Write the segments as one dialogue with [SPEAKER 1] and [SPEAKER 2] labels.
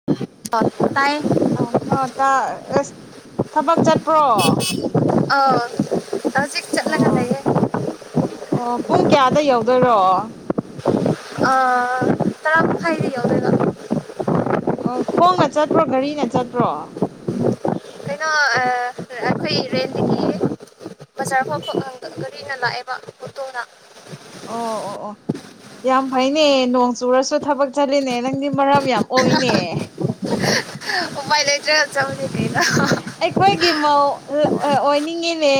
[SPEAKER 1] [inaudible] [unintelligible] ꯇꯥꯏꯌꯦ
[SPEAKER 2] ꯑꯥ ꯑꯥ ꯑꯁ ꯊꯕꯛ ꯆꯠꯇꯄ꯭ꯔꯣ
[SPEAKER 1] ꯑꯧ ꯍꯧꯖꯤꯛ ꯆꯠꯂꯀ
[SPEAKER 2] ꯑꯣ
[SPEAKER 1] ꯂꯩꯑꯌꯦ
[SPEAKER 2] ꯑꯣ ꯄꯨꯡ ꯀꯌꯥꯗ ꯌꯎꯗꯣꯏꯔꯣ
[SPEAKER 1] ꯑ ꯇꯔꯥ ꯃꯈꯥꯏꯗ ꯌꯧꯗꯣꯏꯔꯣ
[SPEAKER 2] ꯑꯣ ꯈꯣꯡꯅ ꯆꯠꯄ꯭ꯔꯣ ꯘꯔꯤꯅ ꯆꯠꯄ꯭ꯔꯣ
[SPEAKER 1] ꯀꯩꯅꯣ ꯑ ꯑꯩꯈꯣꯏ ꯔꯦꯟꯀꯤ ꯄꯤꯔꯦ ꯕꯖꯥꯔ ꯐꯥꯎ ꯈꫭꯡꯅ ꯒꯥꯔꯤꯅ ꯂꯥꯛꯑꯦꯕ ꯑꫭꯛꯇꯣꯅ
[SPEAKER 2] ꯑꯣ ꯑꯣ ꯑꯣ ꯌꯥꯝ ꯐꯩꯅꯦ ꯅꯣꯡ ꯆꯨꯔꯁꯨ ꯊꯕꯛ ꯆꯠꯂꯤꯅꯦ ꯅꯪꯗꯤ ꯃꯔꯝ ꯌꯥꯝ ꯑꯣꯏꯅꯦ
[SPEAKER 1] [unintelligible] ꯎꯄꯥꯏ ꯂꯩꯇ꯭ꯔꯒ ꯆꯠꯄꯅꯤ ꯀꯩꯅꫭ
[SPEAKER 2] ꯑꯩꯈꯣꯏꯒꯤ ꯃꯧ ꯑꯣꯏꯅꯤꯡꯉꯤꯅꯦ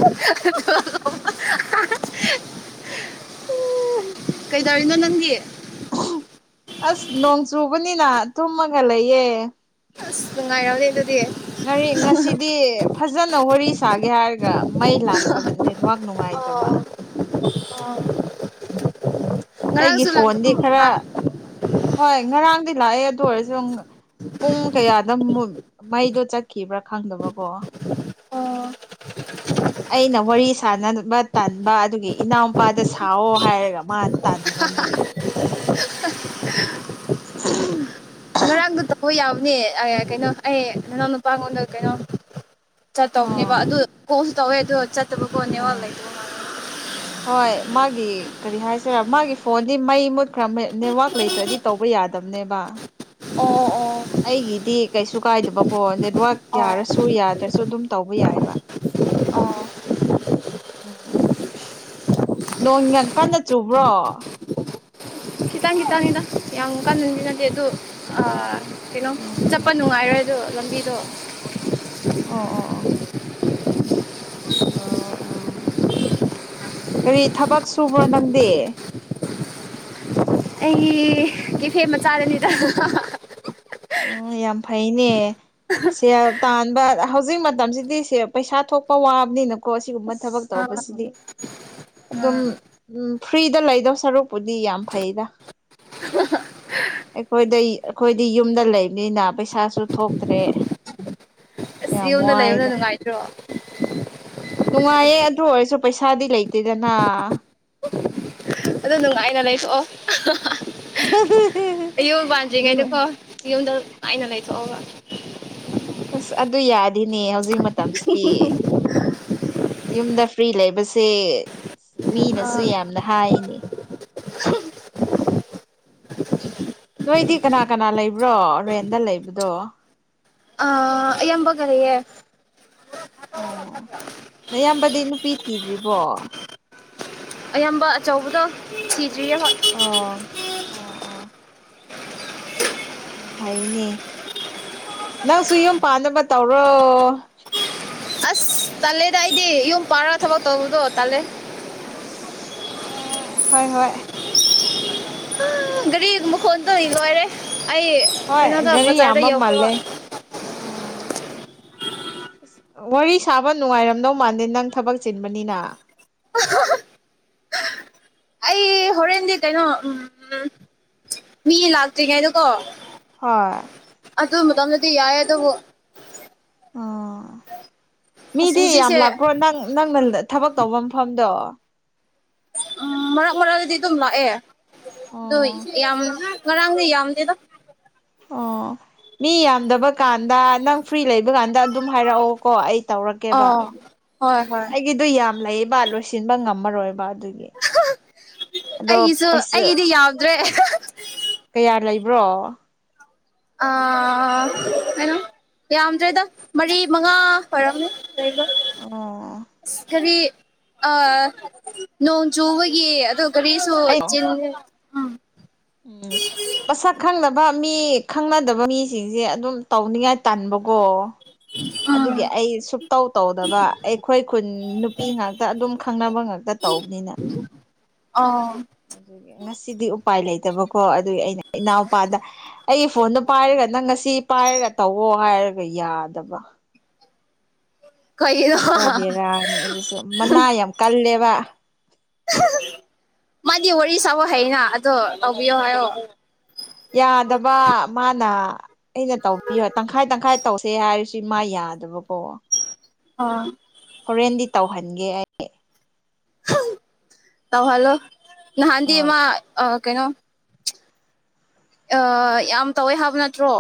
[SPEAKER 1] [unintelligible] ꯀꯩ ꯇꯧꯔꯤꯅꯣ ꯅꯪꯒꯤ
[SPEAKER 2] ꯑꯁ ꯅꯣꯡ ꯆꯨꯕꯅꯤꯅ ꯇꯨꯝꯃꯒ ꯂꯩꯌꯦ
[SPEAKER 1] ꯅꯨꯡꯉꯥꯏꯔꯥꯎꯅꯦ ꯑꯗꯨꯗꯤ
[SPEAKER 2] ꯉꯥꯔꯤ ꯉꯁꯤꯗꯤ ꯐꯖꯅ ꯋꯥꯔꯤ ꯁꯥꯒꯦ ꯍꯥꯏꯔꯒ ꯃꯩ ꯂꯥꯛꯇꯕ ꯅꯦꯠꯋꯥꯛ ꯅꯨꯡꯉꯥꯏꯇꯕ
[SPEAKER 1] ꯑꯣ [unintelligible]
[SPEAKER 2] ꯑꯩꯒꯤ
[SPEAKER 1] ꯉꯔꯥꯡꯁꯨ
[SPEAKER 2] ꯐꯣꯟꯗꯤ ꯈꯔ
[SPEAKER 1] ꯂꯥꯛꯇꯕ
[SPEAKER 2] ꯍꯣꯏ ꯉꯔꯥꯡꯗꯤ ꯂꯥꯛꯑꯦ ꯑꯗꯨ ꯑꯣꯏꯔꯁꯨ ꯄꯨꯡ ꯀꯌꯥꯗ ꯃꯩꯗꯣ ꯆꯠꯈꯤꯕ꯭ꯔꯥ ꯈꯪꯗꯕꯀꯣ
[SPEAKER 1] ꯑꯣ
[SPEAKER 2] ꯑꯩꯅ ꯋꯥꯔꯤ ꯁꯅꯕ ꯇꯥꯟꯕ ꯑꯗꯨꯒꯤ ꯏꯅꯥꯎꯨꯄꯥꯗ ꯁꯥꯑꯣ ꯍꯥꯏꯔꯒ ꯃꯥ ꯇꯥꯟꯕ ꯑꯃꯨꯛ [inaudible]
[SPEAKER 1] ꯉꯔꯥꯡꯗꯣ ꯇꯧꯕ ꯌꯥꯎꯕꯅꯦ ꯀꯩꯅꯣ ꯑꯩ ꯅꯅꯥꯎ ꯅꯨꯄꯥꯉꯣꯟꯗ ꯀꯩꯅꯣ ꯆꯠꯇꯧꯕꯅꯦꯕ
[SPEAKER 2] ꯑꯥ
[SPEAKER 1] ꯑꯗꯨ ꯀꯣꯟꯁꯨ ꯇꯧꯋꯦ ꯑꯗꯨ ꯆꯠꯇꯕ ꯀꯣ ꯅꯦꯠꯋꯥꯛ ꯂꯩꯇ
[SPEAKER 2] [unintelligible] ꯍꯣꯏ ꯃꯥꯒꯤ ꯀꯔꯤ ꯍꯥꯏꯁꯤꯔ ꯃꯥꯒꯤ ꯐꯣꯟꯗꯤ ꯃꯩ ꯃꯨꯠꯈ꯭ꯔꯕ ꯅꯦꯠꯋꯥꯛ ꯂꯩꯇ꯭ꯔꯗꯤ ꯇꯧꯕ ꯌꯥꯗꯕꯅꯦꯕ
[SPEAKER 1] ꯑꯣ ꯑꯣ
[SPEAKER 2] ꯑꯩꯒꯤꯗꯤ ꯀꯩꯁꯨ ꯀꯥꯏꯗꯕꯀꯣ ꯅꯦꯠꯋꯛ
[SPEAKER 1] ꯑꯣ
[SPEAKER 2] ꯌꯥꯔꯁꯨ ꯌꯥꯗ꯭ꯔꯁꯨ ꯑꯗꯨꯝ ꯇꯧꯕ ꯌꯥꯏꯕ ꯎꯝ ꯅꯣꯡ ꯌꯥꯝ ꯀꯟꯅ ꯆꯨꯕ꯭ꯔꯣ
[SPEAKER 1] ꯈꯤꯇꯪ ꯈꯤꯇꯪꯅꯤꯗ ꯌꯥꯝ ꯀꯟꯅꯗꯤꯅꯗꯦ ꯑꯗꯨꯗ ꯀꯩꯅꯣ ꯆꯠꯄ
[SPEAKER 2] ꯎꯝ
[SPEAKER 1] ꯅꯨꯡꯉꯥꯏꯔꯣꯏ ꯂꯝꯕꯤꯗ
[SPEAKER 2] ꯑꯣ ꯑꯣ ꯑꯣ ꯑ ꯑ ꯀꯔꯤ ꯊꯕꯛ ꯁꯨꯕ꯭ꯔꯣ ꯅꯪꯗꯤ
[SPEAKER 1] ꯑꯩꯒꯤ ꯀꯦꯐꯦ ꯃꯆꯥꯗꯅꯤ [unintelligible]
[SPEAKER 2] ꯎꯝ ꯌꯥꯝ ꯐꯩꯅꯦ ꯁꯦꯜ ꯇꯥꯟꯕ ꯍꯧꯖꯤꯛ ꯃꯇꯝꯁꯤꯗꯤ ꯁꯦ ꯄꯩꯁꯥ ꯊꯣꯛꯄ ꯋꯥꯕꯅꯤꯅꯀꯣ ꯑꯁꯤꯒꯨꯝꯕ ꯊꯕꯛ ꯇꯧꯕꯁꯤꯗꯤ ꯑꯗꯨꯝ ꯐ꯭ꯔꯤꯗ ꯂꯩꯗꯧ ꯁꯔꯨꯛꯄꯨꯗꯤ ꯌꯥꯝ ꯐꯩꯗ ꯑꯩꯈꯣꯏꯗ ꯑꯩꯈꯣꯏꯗꯤ ꯌꯨꯝꯗ ꯂꯩꯕꯅꯤꯅ ꯄꯩꯁꯥꯁꯨ ꯊꯣꯛꯇ꯭ꯔꯦ
[SPEAKER 1] ꯑꯁ
[SPEAKER 2] ꯌꯥꯝ
[SPEAKER 1] ꯌꯨꯝꯗ ꯂꯩꯕꯅ
[SPEAKER 2] ꯋꯥꯏꯗ
[SPEAKER 1] ꯅꯨꯡꯉꯥꯏꯗ꯭ꯔꯣ
[SPEAKER 2] ꯅꯨꯡꯉꯥꯏꯌꯦ ꯑꯗꯨ ꯑꯣꯏꯔꯁꯨ ꯄꯩꯁꯥꯗꯤ ꯂꯩꯇꯦꯗꯅ
[SPEAKER 1] ꯑꯗꯨ ꯅꯨꯡꯉꯥꯏꯅ ꯂꯩꯔꯣꯛꯑꯣ ꯑꯌꯨꯝ
[SPEAKER 2] ꯅꯨꯡꯉꯥꯏ
[SPEAKER 1] ꯄꯥꯟꯗ꯭ꯔꯤꯉꯩꯗꯀꯣ ꯌꯨꯝꯗ ꯅꯨꯉꯥꯏꯅ ꯂꯩꯥꯊꫭꯛꯑꫭꯕ
[SPEAKER 2] ꯑꯁ ꯑꯗꯨ ꯌꯥꯗꯤꯅꯦ ꯍꯧꯖꯤꯛ ꯃꯇꯝꯁꯤꯗꯤ ꯌꯨꯝꯗ ꯐ꯭ꯔꯤ ꯂꯩꯕꯁꯦ ꯃꯤꯅꯁꯨ ꯌꯥꯝꯅ ꯍꯥꯏꯅꯦ ꯅꯣꯏꯗꯤ ꯀꯅꯥ ꯀꯅꯥ ꯂꯩꯕ꯭ꯔꯣ ꯔꯦꯟꯗ ꯂꯩꯕꯗꯣ
[SPEAKER 1] ꯑ ꯌꯥꯝꯕꯒꯔꯤꯑꯦ
[SPEAKER 2] ꯑꯣꯌꯥꯝꯕꯗꯤ ꯅꯨꯄꯤ ꯊꯤꯗ꯭ꯔꯤꯕꯣ
[SPEAKER 1] ꯑꯌꯥꯝꯕ ꯑꯆꯧꯕꯗ ꯁꯤꯖꯔꯤ
[SPEAKER 2] ꯑꯣ ꯑꯣ ꯑꯣ ꯑꯥꯝ ꯐꯩꯅꯦ ꯅꯪꯁꯨ ꯌꯨꯝ ꯄꯥꯟꯅꯕ ꯇꯧꯔꯣ
[SPEAKER 1] ꯇꯂꯦꯗ ꯑꯩꯗꯤ ꯌꯨꯝ ꯄꯥꯔ ꯊꯕꯛ ꯇꯧꯕꯗꯣ ꯇꯜꯂꯦ
[SPEAKER 2] ꯑ ꯍꯣꯏ ꯍꯣꯏ
[SPEAKER 1] ꯒꯥꯔꯤꯒꯨꯝꯕ ꯐꯣꯟ ꯇꯧꯔꯤꯒ ꯋꯥꯔꯦ ꯑꯩ
[SPEAKER 2] ꯍꯣꯏ
[SPEAKER 1] ꯀꯩꯅꯣꯗ
[SPEAKER 2] ꯘꯔꯤ
[SPEAKER 1] ꯕꯖꯥꯔꯗ
[SPEAKER 2] ꯌꯥꯝꯕ
[SPEAKER 1] ꯌꯧꯈ꯭ꯔꯦꯕ.
[SPEAKER 2] ꯃꯥꯜꯂꯦ ꯑꯣ ꯑ ꯋꯥꯔꯤ ꯁꯥꯕ ꯅꯨꯡꯉꯥꯏꯔꯝꯗꯧ ꯃꯥꯥꯟꯗꯦ ꯅꯪ ꯊꯕꯛ ꯆꯤꯟꯕꯅꯤꯅ
[SPEAKER 1] ꯑꯩ ꯍꯣꯔꯦꯟ ꯀꯟꯗꯤ ꯀꯩꯅꯣ ꯎꯝ ꯃꯤ ꯂꯥꯛꯇ꯭ꯔꯤꯉꯩꯗ ꯀꯣ
[SPEAKER 2] ꯍꯣꯏ
[SPEAKER 1] ꯑꯗꯨ ꯃꯇꯝꯗꯗꯤ ꯌꯥꯏ ꯑꯗꯨꯕꯨ
[SPEAKER 2] ꯑꯣ
[SPEAKER 1] ꯑꯁ
[SPEAKER 2] ꯃꯤꯗꯤ ꯌꯥꯝ
[SPEAKER 1] ꯍꯧꯖꯤꯛꯁꯦ
[SPEAKER 2] ꯂꯥꯛꯄ꯭ꯔꯣ ꯅꯪ ꯅꯪꯅ ꯊꯕꯛ ꯇꯧꯕ ꯃꯐꯝꯗꯣ
[SPEAKER 1] ꯃꯔꯛ ꯃꯔꯛꯗꯤ ꯑꯗꯨꯝ ꯂꯥꯛꯑꯦ ꯑꯗꯨ
[SPEAKER 2] ꯑꯣ
[SPEAKER 1] ꯌꯥꯝ ꯉꯔꯥꯡꯗꯤ ꯌꯥꯝꯗꯦꯗ
[SPEAKER 2] ꯑꯣ ꯃꯤ ꯌꯥꯝꯗꯕ ꯀꯥꯟꯗ ꯅꯪ ꯐ꯭ꯔꯤ ꯂꯩꯕꯀꯥꯟꯗ ꯑꯗꯨꯝ ꯍꯥꯏꯔꯛꯑꯣ ꯀꯣ ꯑꯩ ꯇꯧꯔꯛꯀꯦꯕ
[SPEAKER 1] ꯑꯥ ꯍꯣꯏ ꯍꯣꯏ
[SPEAKER 2] ꯑꯩꯒꯤꯗꯨ ꯌꯥꯝ ꯂꯩꯌꯦꯕ ꯂꯣꯏꯁꯤꯟꯕ ꯉꯝꯃꯔꯣꯏꯕ ꯑꯗꯨꯒꯤ ꯑꯗꯣ
[SPEAKER 1] ꯑꯩꯒꯤꯁꯨ
[SPEAKER 2] ꯄꯩꯁꯥ
[SPEAKER 1] ꯑꯩꯒꯤꯗꯤ ꯌꯥꯎꯗ꯭ꯔꯦ
[SPEAKER 2] ꯀꯌꯥ ꯂꯩꯕ꯭ꯔꯣ
[SPEAKER 1] ꯑ ꯀꯩꯅꯣ ꯌꯥꯝꯗ꯭ꯔꯦꯗ ꯃꯔꯤ ꯃꯉꯥ ꯐꯔꯝꯅꯤ ꯕ
[SPEAKER 2] ꯑꯣ
[SPEAKER 1] ꯈꯔꯤ ꯑ ꯅꯣꯡ ꯆꯨꯕꯒꯤ ꯑꯣ ꯀꯔꯤꯁꯨ
[SPEAKER 2] ꯑꯩ
[SPEAKER 1] ꯆ
[SPEAKER 2] ꯎꯝ ꯃꯁꯛ ꯈꯪꯅꯕ ꯃꯤ ꯈꯪꯅꯗꯕ ꯃꯤꯁꯤꯡꯁꯦ ꯑꯗꯨꯝ ꯇꯧꯅꯤꯉꯥꯏ ꯇꯥꯟꯕꯀꯣ [unintelligible]
[SPEAKER 1] ꯎꯝ
[SPEAKER 2] ꯑꯗꯨꯒꯤ ꯑꯩ ꯁꯨꯇꯧ ꯇꯧꯗꯕ ꯑꯩꯈꯣꯏ ꯈꯨꯟ ꯅꯨꯄꯤ ꯉꯥꯛꯇ ꯑꯗꯨꯝ ꯈꯪꯅꯕ ꯉꯥꯛꯇ ꯇꯧꯕꯅꯤꯅ
[SPEAKER 1] ꯑ
[SPEAKER 2] ꯑꯗꯨꯒꯤ ꯉꯁꯤꯗꯤ ꯎꯄꯥꯏ ꯂꯩꯇꯕꯀꯣ ꯑꯗꯨꯒꯤ ꯑꯩꯅ ꯏꯅꯥꯎꯄꯥꯗ ꯑꯩꯒꯤ ꯐꯣꯟꯗꯨꯣ ꯄꯥꯏꯔꯒ ꯅꯪ ꯉꯁꯤ ꯄꯥꯏꯔꯒ ꯇꯧꯋꯣ ꯍꯥꯏꯔꯒ ꯌꯥꯗꯕ
[SPEAKER 1] ꯀꯩꯗ
[SPEAKER 2] ꯄꯨ꯭ꯔꯥ ꯕꯦꯔꯥꯅꯤ ꯑꯗꯨꯁꯨ ꯃꯅꯥ ꯌꯥꯝ ꯀꯜꯂꯦꯕ
[SPEAKER 1] ꯃꯥꯗꯤ ꯋꯥꯔꯤ ꯁꯥꯕ ꯍꯩꯅ ꯑꯗꯣ ꯇꯧꯕꯤꯌꯣ ꯍꯥꯏꯌꯣ
[SPEAKER 2] ꯌꯥꯗꯕ ꯃꯥꯅ ꯑꯩꯅ ꯇꯧꯕꯤꯌꯣ ꯇꯪꯈꯥꯏ-ꯇꯪꯈꯥꯏ ꯇꯧꯁꯦ ꯍꯥꯏꯔꯤꯁꯤ ꯃꯥ ꯌꯥꯗꯕꯀꯣ꯫
[SPEAKER 1] ꯑ꯫
[SPEAKER 2] ꯍꯣꯔꯦꯟꯗꯤ ꯇꯧꯍꯟꯒꯦ ꯑꯩ
[SPEAKER 1] ꯇꯧꯍꯜꯂꯣ ꯅꯍꯥꯟꯗꯤ
[SPEAKER 2] ꯍꯣꯏ
[SPEAKER 1] ꯃꯥ ꯑ ꯀꯩꯅꯣ ꯑ ꯌꯥꯝ ꯇꯧꯋꯦ ꯍꯥꯏꯕ ꯅꯠꯇ꯭ꯔꯣ꯫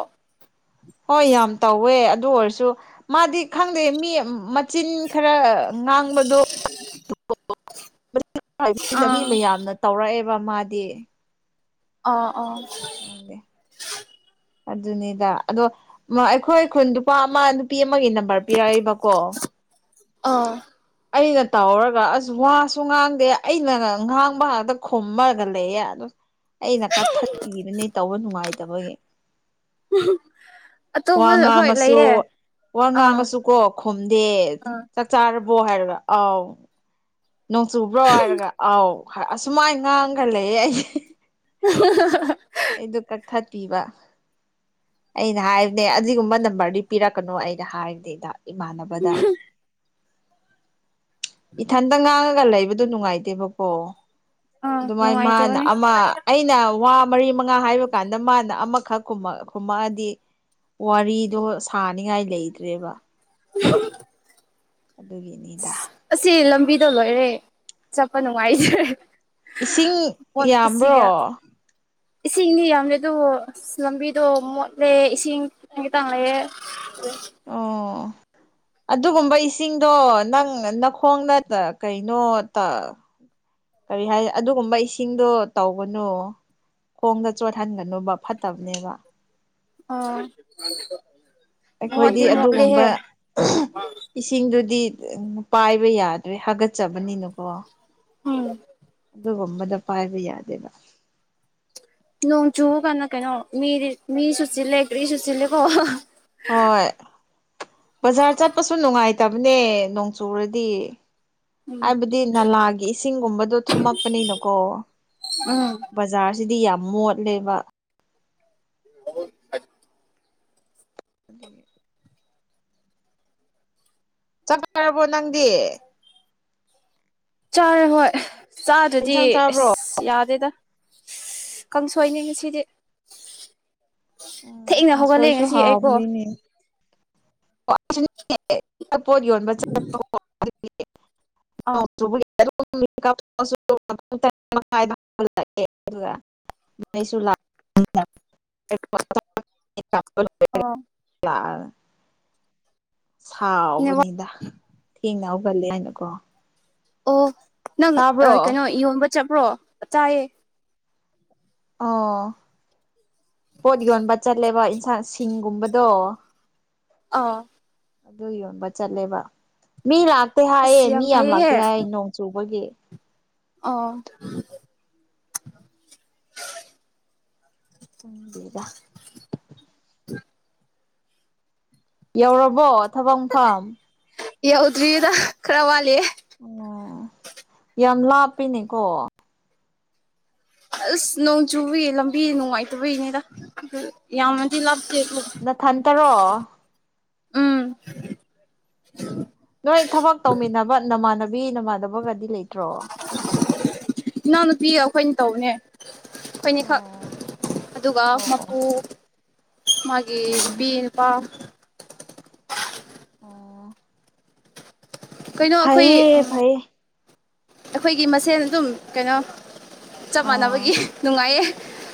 [SPEAKER 2] ꯍꯣꯏ ꯌꯥꯝ ꯇꯧꯋꯦ ꯑꯗꯨ ꯑꯣꯏꯔꯁꯨ ꯃꯥꯗꯤ ꯈꯪꯗꯦ ꯃꯤ ꯃꯆꯤꯟ ꯈꯔ ꯉꯥꯡꯕꯗꯣ ꯃꯤ
[SPEAKER 1] ꯑꯥ
[SPEAKER 2] ꯃꯌꯥꯝꯅ ꯇꯧꯔꯛꯑꯦꯕ ꯃꯥꯗꯤ꯫
[SPEAKER 1] ꯑꯥ ꯑꯥ
[SPEAKER 2] ꯈꯪꯗꯦ ꯑꯗꯨꯅꯤꯗ ꯑꯗꯣ ꯃ ꯑꯩꯈꯣꯏ ꯈꯨꯟ ꯅꯨꯄꯥ ꯑꯃ ꯅꯨꯄꯤ ꯑꯃꯒꯤ ꯅꯝꯕꯔ ꯄꯤꯔꯛꯏꯕꯀꯣ꯫
[SPEAKER 1] ꯑ꯫
[SPEAKER 2] ꯑꯩꯅ ꯇꯧꯔꯒ ꯑꯁ ꯋꯥꯁꯨ ꯉꯥꯡꯗꯦ ꯑꯩꯅ ꯉꯥꯡꯕ ꯉꯥꯛꯇ ꯈꯣꯝꯃꯒ ꯂꯩꯌꯦ ꯑ ꯑꯩꯅ ꯀꯛꯊꯄꯤꯕꯅꯤ ꯇꯧꯕ ꯅꯨꯡꯉꯥꯏꯇꯕꯒꯤ
[SPEAKER 1] ꯎꯝ
[SPEAKER 2] ꯋꯥ ꯉꯥꯡꯉꯁꯨ ꯋꯥ
[SPEAKER 1] ꯑꯥ
[SPEAKER 2] ꯉꯥꯡꯉꯁꯨ ꯀꯣ ꯈꯨꯝꯗꯦ ꯆꯥꯛ ꯆꯥꯔꯕꯣ ꯍꯥꯏꯔꯒ ꯑꯥꯎ ꯅꯣꯡ ꯆꯨꯕ꯭ꯔꯣ ꯍꯥꯏꯔꯒ ꯑꯥꯎ ꯑꯁꯨꯃꯥꯏꯅ ꯉꯥꯡꯒ ꯂꯩꯌꯦ ꯑꯩ
[SPEAKER 1] ꯑ
[SPEAKER 2] ꯑꯩꯗꯨ ꯀꯛꯊꯠꯄꯤꯕ ꯑꯩꯅ ꯍꯥꯏꯕꯅꯦ ꯑꯗꯨꯒꯨꯝꯕ ꯅꯝꯕꯔꯗꯤ ꯄꯤꯔꯛꯀꯅꯨ ꯑꯩꯅ ꯍꯥꯏꯕꯅꯦꯗ ꯏꯃꯥꯟꯅꯕꯗ ꯏꯊꯟꯇ ꯉꯥꯡꯑꯒ ꯂꯩꯕꯗꯣ ꯅꯨꯡꯉꯥꯏꯇꯦꯕꯀꯣ
[SPEAKER 1] ꯑꯥ
[SPEAKER 2] ꯑꯗꯨꯃꯥꯏ ꯃꯥꯅ
[SPEAKER 1] ꯅꯨꯡꯉꯥꯏꯇꯕꯅꯦ
[SPEAKER 2] ꯑꯃ ꯑꯩꯅ ꯋꯥ ꯃꯔꯤ ꯃꯉꯥ ꯍꯥꯏꯕ ꯀꯥꯟꯗ ꯃꯥꯅ ꯑꯃꯈꯛꯀꯨꯝꯑ ꯈꯨꯝꯃꯛꯑꯗꯤ ꯋꯥꯔꯤꯗꯣ ꯁꯥꯅꯤꯉꯥꯏ ꯂꯩꯇ꯭ꯔꯦꯕ꯫
[SPEAKER 1] [unintelligible]
[SPEAKER 2] ꯑꯗꯨꯒꯤꯅꯤꯗ꯫
[SPEAKER 1] ꯑꯁꯤ ꯂꯝꯕꯤꯗꯣ ꯂꯣꯏꯔꯦ ꯆꯠꯄ ꯅꯨꯡꯉꯥꯏꯇꯔꯦ
[SPEAKER 2] ꯏꯁꯤꯡ ꯌꯥꯝꯕ꯭ꯔꯣ
[SPEAKER 1] [inaudible] ꯏꯁꯤꯡꯗꯤ ꯌꯥꯝꯗꯦ ꯑꯗꯨꯕꯨ ꯂꯝꯕꯤꯗꯣ ꯃꯣꯠꯂꯦ ꯏꯁꯤꯡ ꯈꯤꯇꯪ ꯈꯤꯇꯪ ꯂꯩꯌꯦ꯫ [unintelligible]
[SPEAKER 2] ꯑꯣ꯫ ꯑꯗꯨꯒꯨꯝꯕ ꯏꯁꯤꯡꯗꯣ ꯅꯪ ꯅꯈꯣꯡꯗ ꯇ ꯀꯩꯅꯣ ꯇ ꯀꯔꯤ ꯍꯥꯏ ꯑꯗꯨꯒꯨꯝꯕ ꯏꯁꯤꯡꯗꯣ ꯇꯧꯒꯅꯨ꯫ ꯈꯣꯡꯗ ꯆꯣꯠꯍꯟꯒꯅꯨꯕ ꯐꯠꯇꯕꯅꯦꯕ
[SPEAKER 1] ꯑ꯫
[SPEAKER 2] ꯑꯩꯈꯣꯏꯗꯤ ꯑꯗꯨꯒꯨꯝꯕ꯫ [unintelligible] ꯏꯁꯤꯡꯗꯨꯗꯤ ꯄꯥꯏꯕ ꯌꯥꯗ꯭ꯔꯦ ꯍꯥꯒꯠꯆꯕꯅꯤꯅꯀꯣ꯫
[SPEAKER 1] ꯍꫭꯏ꯫
[SPEAKER 2] ꯑꯗꯨꯒꯨꯝꯕꯗ ꯄꯥꯏꯕ ꯌꯥꯗꯦꯕ꯫
[SPEAKER 1] ꯅꯣꯡꯆꯨꯕꯀꯥꯟꯗ ꯀꯩꯅꯣ ꯃꯤꯗꯤ ꯃꯤꯁꯨ ꯆꯤꯜꯂꯦ ꯀ꯭ꯔꯤ ꯁꯨ ꯆꯤꯜꯂꯦꯀꯣ꯫
[SPEAKER 2] ꯍꯣꯏ ꯕꯖꯥꯔ ꯆꯠꯄꯁꯨ ꯅꯨꯡꯉꯥꯏꯇꯕꯅꯦ ꯅꯣꯡ ꯆꯨꯔꯗꯤ ꯍꯥꯏꯕꯗꯤ ꯅꯂꯥꯒꯤ ꯏꯁꯤꯡꯒꯨꯝꯕꯗꯣ ꯊꯨꯝꯃꯛꯄꯅꯤꯅꯀꯣ
[SPEAKER 1] ꯎꯝ
[SPEAKER 2] ꯕꯖꯥꯔꯁꯤꯗꯤ ꯌꯥꯝ ꯃꯣꯠꯂꯦꯕ꯫
[SPEAKER 1] [unintelligible]
[SPEAKER 2] ꯑꯗꯨꯒꯤ ꯆꯥꯛ ꯆꯥꯔꯕꯣ ꯅꯪꯗꯤ꯫
[SPEAKER 1] ꯆꯥꯔ ꯍꯣꯏ ꯆꯥꯗ꯭ꯔꯗꯤ
[SPEAKER 2] ꯌꯦꯟꯁꯥꯡ ꯆꯥꯕ꯭ꯔꯣ
[SPEAKER 1] ꯑꯁ ꯌꯥꯗꯦꯗ꯫ ꯁ ꯀꯥꯡꯁꯣꯏꯅꯤ ꯉꯁꯤꯗꯤ꯫
[SPEAKER 2] ꯎꯝ
[SPEAKER 1] ꯊꯦꯡꯅ ꯍꯧꯒꯠꯂꯦ
[SPEAKER 2] ꯀꯥꯡꯁꯣꯏꯁꯨ
[SPEAKER 1] ꯉꯁꯤ ꯑꯩꯀꯣ꯫
[SPEAKER 2] ꯍꯥꯎꯕꯅꯤꯅꯦ [unintelligible] ꯄꯣꯠ ꯌꯣꯟꯕ ꯆꯠ꯫ [unintelligible] [unintelligible] [unintelligible] [unintelligible]
[SPEAKER 1] ꯑꯣ꯫
[SPEAKER 2] [unintelligible]
[SPEAKER 1] ꯅꯦꯠꯋꯥꯛ
[SPEAKER 2] ꯁꯥꯎꯕꯅꯤꯗ ꯊꯦꯡꯅ ꯍꯧꯒꯠꯂꯦ ꯍꯥꯏꯅꯀꯣ꯫
[SPEAKER 1] ꯑꯣ ꯅꯪ ꯑ
[SPEAKER 2] ꯇꯥꯕ꯭ꯔꯣ
[SPEAKER 1] ꯀꯩꯅꯣ ꯌꯣꯟꯕ ꯆꯠꯄ꯭ꯔꯣ ꯆꯥꯏꯌꯦ
[SPEAKER 2] ꯑꯣ꯫ ꯄꯣꯠ ꯌꯣꯟꯕ ꯆꯠꯂꯦꯕ ꯏꯟꯁꯥꯡ ꯁꯤꯡꯒꯨꯝꯕꯗꯣ꯫
[SPEAKER 1] ꯑꯥ
[SPEAKER 2] ꯑꯗꯨ ꯌꯣꯟꯕ ꯆꯠꯂꯦꯕ ꯃꯤ ꯂꯥꯛꯇꯦ ꯍꯥꯏꯌꯦ
[SPEAKER 1] ꯑꯁ
[SPEAKER 2] ꯃꯤ ꯌꯥꯝ
[SPEAKER 1] ꯐꯩꯍꯦ
[SPEAKER 2] ꯂꯥꯛꯇꯦ ꯍꯥꯏ ꯅꯣꯡ ꯆꯨꯕꯒꯤ
[SPEAKER 1] ꯑ
[SPEAKER 2] ꯈꯪꯗꯦꯗ ꯌꯧꯔꯕꯣ ꯊꯕꯛ ꯃꯐꯝ
[SPEAKER 1] ꯌꯥꯎꯗ꯭ꯔꯤꯌꯦꯗ ꯈꯔ ꯋꯥꯠꯂꯤꯌꯦ
[SPEAKER 2] ꯑꯣ ꯌꯥꯝ ꯂꯥꯞꯄꯤꯅꯦꯀꯣ
[SPEAKER 1] ꯑꯁ ꯅꯣꯡ ꯆꯨꯕꯒꯤ ꯂꯝꯕꯤ ꯅꯨꯡꯉꯥꯏꯇꯕꯒꯤꯅꯦꯗ ꯑꯗꯨ꯫ ꯌꯥꯝꯅꯗꯤ
[SPEAKER 2] ꯑꯣ
[SPEAKER 1] ꯂꯥꯞꯇꯦꯗꯨ
[SPEAKER 2] ꯅꯊꯟꯇꯔꯣ
[SPEAKER 1] ꯎꯝ꯫
[SPEAKER 2] ꯑꯣ ꯅꯣꯏ ꯊꯕꯛ ꯇꯧꯃꯤꯟꯅꯕ ꯅꯃꯥꯟꯅꯕꯤ ꯅꯃꯥꯟꯅꯕꯒꯗꯤ ꯂꯩꯇ꯭ꯔꯣ꯫
[SPEAKER 1] [unintelligible] ꯏꯅꯥꯎꯅꯨꯄꯤ ꯑꯩꯈꯣꯏꯅ ꯇꯧꯕꯅꯦ꯫ ꯈꯣꯏꯅꯤꯈꯛ
[SPEAKER 2] ꯑꯣ
[SPEAKER 1] ꯑꯗꯨꯒ
[SPEAKER 2] ꯑꯣ ꯑꯣ
[SPEAKER 1] ꯃꯄꯨ ꯃꯥꯒꯤ
[SPEAKER 2] ꯎꯝ
[SPEAKER 1] ꯅꯨꯄꯤ ꯅꯨꯄꯥ
[SPEAKER 2] ꯑꯣ꯫
[SPEAKER 1] ꯀꯩꯅꯣ ꯑꯩꯈꯣꯏ
[SPEAKER 2] ꯐꯩꯌꯦ
[SPEAKER 1] ꯎꯪ
[SPEAKER 2] ꯐꯩꯌꯦ
[SPEAKER 1] ꯑꯩꯈꯣꯏꯒꯤ ꯃꯁꯦꯟ ꯑꯗꯨꯝ ꯀꯩꯅꯣ ꯆꯞ
[SPEAKER 2] ꯑꯥ
[SPEAKER 1] ꯃꯥꯟꯅꯕꯒꯤ ꯅꯨꯡꯉꯥꯏꯌꯦ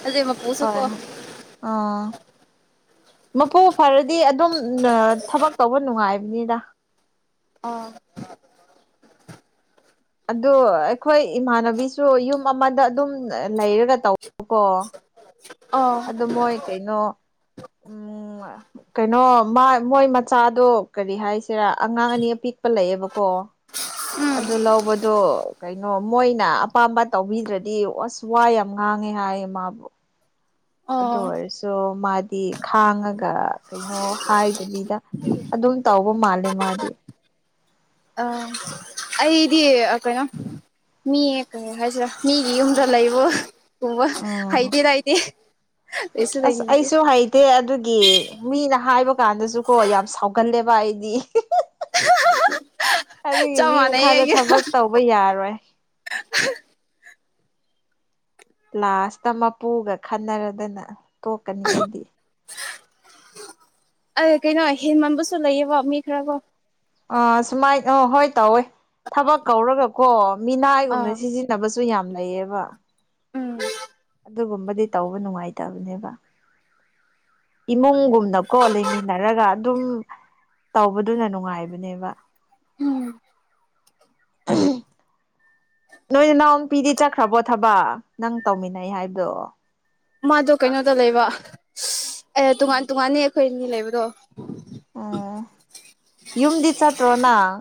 [SPEAKER 1] ꯑꯗꯨꯏ ꯃꯄꯨꯁꯨꯀꯣ
[SPEAKER 2] ꯍꯣꯏ- ꯍꯣꯏ ꯑ ꯃꯄꯨ ꯐꯔꯗꯤ ꯑꯗꯨꯝ ꯊꯕꯛ ꯇꯧꯕ ꯅꯨꯡꯉꯥꯏꯕꯅꯤꯗ
[SPEAKER 1] ꯑ
[SPEAKER 2] ꯑꯗꯨ ꯑꯩꯈꯣꯏ ꯏꯃꯥꯟꯅꯕꯤꯁꯨ ꯌꯨꯝ ꯑꯃꯗ ꯑꯗꯨꯝ ꯂꯩꯔꯒ ꯇꯧꯕꯀꯣ
[SPEAKER 1] ꯑꯣ
[SPEAKER 2] ꯑꯗ ꯃꯣꯏ ꯀꯩꯅꯣ ꯎꯝ ꯀꯩꯅꯣ ꯃꯣꯏ ꯃꯆꯥꯗꯣ ꯀꯔꯤ ꯍꯥꯏꯁꯤꯔꯥ ꯑꯉꯥꯡ ꯑꯅꯤ ꯑꯄꯤꯛꯄ ꯂꯩꯑꯦꯕꯀꯣ
[SPEAKER 1] ꯎꯝ
[SPEAKER 2] ꯑꯗꯨ ꯂꯧꯕꯗꯣ ꯀꯩꯅꯣ ꯃꯣꯏꯅ ꯑꯄꯥꯝꯕ ꯇꯧꯕꯤꯗ꯭ꯔꯗꯤ ꯑꯁ ꯋꯥꯏ ꯌꯥꯝ ꯉꯥꯡꯉꯦ ꯍꯥꯏꯌꯦ ꯃꯥꯕꯨ ꯑꯗꯨ
[SPEAKER 1] ꯑꯣ
[SPEAKER 2] ꯑꯣꯏꯔꯁꯨ ꯃꯥꯗꯤ ꯈꯥꯡꯉꯒ ꯀꯩꯅꯣ ꯍꯥꯏꯗꯕꯤꯗ ꯑꯗꯨꯝ ꯇꯧꯕ ꯃꯥꯜꯂꯦ ꯃꯥꯗꯤ
[SPEAKER 1] ꯑ ꯑꯩꯗꯤ ꯀꯩꯅꯣ ꯃꯤ ꯀ ꯍꯥꯏꯁꯤꯔꯥ ꯃꯤꯒꯤ ꯌꯨꯝꯗ ꯂꯩꯕ ꯕ
[SPEAKER 2] ꯎꯝ
[SPEAKER 1] ꯍꯩꯇꯦꯗꯥ ꯑꯩꯗꯤ ꯂꯩꯁꯨ
[SPEAKER 2] ꯑꯁ
[SPEAKER 1] ꯂꯩꯅꯤꯡꯗꯦ
[SPEAKER 2] ꯑꯩꯁꯨ ꯍꯩ ꯇꯦ ꯑꯗꯨꯒꯤ ꯃꯤꯅ ꯍꯥꯏꯕ ꯀꯥꯟꯗꯁꯨꯀꯣ ꯌꯥꯝ ꯁꯥꯎꯒꯜꯂꯦꯕ ꯑꯩꯗꯤ ꯑꯗꯨꯒꯤ
[SPEAKER 1] ꯆꯞ
[SPEAKER 2] ꯃꯤ
[SPEAKER 1] ꯃꯥꯟꯅꯩꯌꯦ
[SPEAKER 2] ꯃꯈꯥꯗ
[SPEAKER 1] ꯑꯩꯒ
[SPEAKER 2] ꯊꯕꯛ ꯇꯧꯕ ꯌꯥꯔꯣꯏ ꯂꯥꯁꯇ ꯃꯄꯨꯒ ꯈꯟꯅꯔꯗꯅ ꯇꯣꯛꯀꯅꯤ ꯑꯩꯗꯤ
[SPEAKER 1] ꯑ ꯀꯩꯅꯣ ꯍꯦꯟꯃꯟꯕꯁꯨ ꯂꯩꯌꯦꯕ ꯃꯤ ꯈꯔꯀꯣ
[SPEAKER 2] ꯑ ꯁꯨꯃꯥꯏꯅ ꯑ ꯍꯣꯏ ꯇꯧꯋꯦ ꯊꯕꯛ ꯀꯧꯔꯒꯀꯣ ꯃꯤꯅꯥꯏꯒꯨꯝꯅ
[SPEAKER 1] ꯑꯥ
[SPEAKER 2] ꯁꯤꯖꯤꯟꯅ ꯁꯅꯕꯁꯨ ꯌꯥꯝ ꯂꯩꯌꯦꯕ
[SPEAKER 1] ꯎꯝ
[SPEAKER 2] ꯑꯗꯨꯒꯨꯝꯕꯗꯤ ꯇꯧꯕ ꯅꯨꯡꯉꯥꯏꯇꯕꯅꯦꯕ ꯏꯃꯨꯡꯒꯨꯝꯅꯀꯣ ꯂꯩꯃꯤꯟꯅꯔꯒ ꯑꯗꯨꯝ ꯇꯧꯕꯗꯨꯅ ꯅꯨꯡꯉꯥꯏꯕꯅꯦꯕ
[SPEAKER 1] ꯎꯝ
[SPEAKER 2] ꯎꯝ ꯅꯣꯏ ꯅꯅꯥꯎ ꯄꯤꯗꯤ ꯆꯠꯈ꯭ꯔꯕꯣ ꯊꯕꯛ ꯅꯪ ꯇꯧꯃꯤꯟꯅꯩ ꯍꯥꯏꯕꯗꯣ
[SPEAKER 1] ꯃꯥꯗꯣ ꯀꯩꯅꯣꯗ ꯂꯩꯕ ꯑꯦ ꯇꯣꯉꯥꯟ ꯇꯣꯉꯥꯟꯅꯤ ꯑꯩꯈꯣꯏ ꯑꯅꯤ ꯂꯩꯕꯗꯣ
[SPEAKER 2] ꯑꯣ ꯌꯨꯝꯗꯤ ꯆꯠꯇ꯭ꯔꯣ ꯅꯥꯡ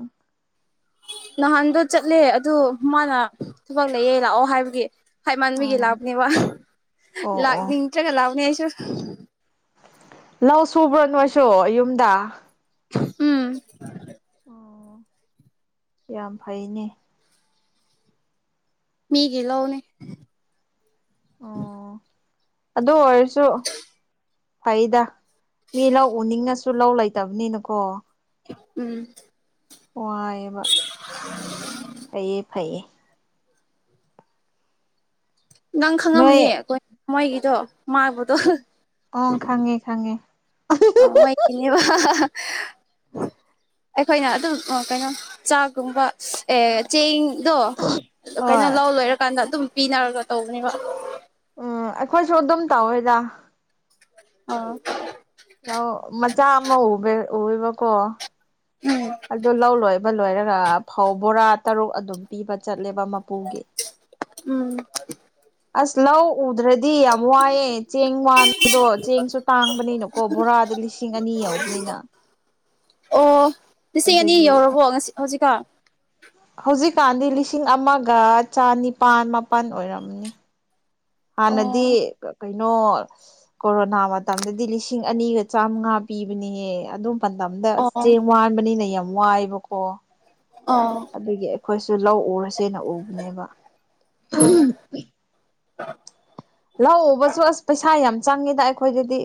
[SPEAKER 1] ꯅꯍꯥꯟꯗꯣ ꯆꯠꯂꯦ ꯑꯗꯨ ꯃꯥꯅ ꯊꯕꯛ ꯂꯩꯌꯦ ꯂꯥꯛꯑꯣ ꯍꯥꯏꯕꯒꯤ ꯍꯥꯏ ꯃꯥꯟꯕꯤꯒꯤ
[SPEAKER 2] ꯑꯣ
[SPEAKER 1] ꯂꯥꯛꯅꯦ ꯋꯥ
[SPEAKER 2] ꯑꯣ ꯑꯣ
[SPEAKER 1] ꯂꯥꯛꯅꯤꯡꯗ꯭ꯔꯒ ꯂꯥꯛꯅꯦ ꯑꯩꯁꯨ
[SPEAKER 2] ꯂꯧ ꯁꯨꯕ꯭ꯔꯣ ꯅꯣꯏꯁꯨ ꯌꯨꯝꯗ
[SPEAKER 1] ꯎꯝ
[SPEAKER 2] ꯌꯥꯝ ꯐꯩꯅꯦ
[SPEAKER 1] ꯃꯤꯒꯤ ꯂꯎꯅꯦ
[SPEAKER 2] ꯑꯣ ꯑꯗꯨ ꯑꯣꯏꯔꯁꯨ ꯐꯩꯗ ꯃꯤ ꯂꯧ ꯎꯅꯤꯡꯉꯁꯨ ꯂꯧ ꯂꯩꯇꯕꯅꯤꯅꯀꯣ
[SPEAKER 1] ꯎꯝ
[SPEAKER 2] ꯋꯥꯢꯕ ꯐꯩꯌꯦ ꯐꯩꯌꯦ
[SPEAKER 1] ꯅꯪ
[SPEAKER 2] ꯅꯣꯏ
[SPEAKER 1] ꯈꯪꯡꯉꯝꯅꯤ ꯃꯣꯏꯒꯤꯗꯣ ꯃꯥꯟꯕꯗꯣ
[SPEAKER 2] ꯑꯣ ꯈꯪꯉꯦ-ꯈꯪꯉꯦ
[SPEAKER 1] ꯑꯅꯦꯕ ꯑꯩꯈꯣꯏꯅ ꯑꯗꯨꯝ ꯀꯩꯅꯣ ꯆꯥꯒꯨꯝꯕ ꯑꯦ ꯆꯦꯡꯗꯣ ꯀꯩꯅꯣ
[SPEAKER 2] ꯍꯣꯏ
[SPEAKER 1] ꯂꯧ ꯂꯣꯏꯔꯀꯥꯟꯗ ꯑꯗꯨꯝ ꯄꯤꯅꯔꯒ ꯇꯧꯕꯅꯦꯕ
[SPEAKER 2] ꯎꯝ ꯑꯩꯈꯣꯏꯁꯨ ꯑꯗꯨꯝ ꯇꯧꯋꯦꯗ
[SPEAKER 1] ꯑ
[SPEAKER 2] ꯃꯆꯥ ꯑꯃ ꯎꯏꯕ-ꯎꯏꯕꯀꯣ ꯑꯗꯨ ꯂꯧ ꯂꯣꯏꯕ ꯂꯣꯏꯔꯒ ꯐꯧ ꯕꯣꯔꯥ ꯇꯔꯨꯛ ꯑꯗꯨꯝ ꯄꯤꯕ ꯆꯠꯂꯦꯕ ꯃꯄꯨꯒꯤ
[SPEAKER 1] ꯎꯝ
[SPEAKER 2] ꯑꯁ ꯂꯧ ꯎꯗ꯭ꯔꯗꯤ ꯌꯥꯝ ꯋꯥꯏꯑꯦ ꯆꯦꯡ ꯃꯥꯟꯕꯗꯣ ꯆꯦꯡꯁꯨ ꯇꯥꯡꯕꯅꯤꯅꯀꯣ ꯕꯣꯔꯥꯗ ꯂꯤꯁꯤꯡ ꯂꯤꯁꯤꯡ ꯑꯅꯤ ꯌꯥꯎꯕꯅꯤꯅ
[SPEAKER 1] ꯑꯣ ꯂꯤꯁꯤꯡ ꯑꯅꯤ
[SPEAKER 2] ꯑꯗꯨꯒꯤ
[SPEAKER 1] ꯌꯧꯔꯕꯣ ꯉꯁꯤ ꯍꯧꯖꯤꯛꯀ
[SPEAKER 2] ꯍꯧꯖꯤꯛꯀꯥꯟꯗꯤ ꯂꯤꯁꯤꯡ ꯑꯃꯒ ꯆꯅꯤꯄꯥꯜ ꯃꯥꯄꯜ ꯑꯣꯏꯔꯝꯅꯤ
[SPEAKER 1] ꯑꯣ
[SPEAKER 2] ꯍꯥꯟꯅꯗꯤ ꯀꯩꯅꯣ ꯀꯣꯔꯣꯅꯥ ꯃꯇꯝꯗꯗꯤ ꯂꯤꯁꯤꯡ ꯑꯅꯤꯒ ꯆꯥꯝꯃꯉꯥ ꯄꯤꯕꯅꯦꯍꯦ ꯑꯗꯨꯝ ꯄꯥꯟꯗꯕ
[SPEAKER 1] ꯑꯣ
[SPEAKER 2] ꯆꯦꯡ ꯋꯥꯟꯕꯅꯤꯅ ꯌꯥꯝ ꯋꯥꯏꯕꯀꯣ
[SPEAKER 1] ꯑꯥ
[SPEAKER 2] ꯑꯗꯨꯒꯤ ꯑꯩꯈꯣꯏꯁꯨ ꯂꯧ ꯎꯔꯁꯦꯅ ꯎꯕꯅꯦꯕ
[SPEAKER 1] ꯑꯣ
[SPEAKER 2] ꯂꯧꯎꯕꯁꯨ ꯑꯁ ꯄꯩꯁꯥ ꯌꯥꯝ ꯆꯪꯉꯤꯗ ꯑꯩꯈꯣꯏꯗꯗꯤ